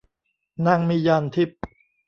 นางมีญาณทิพย์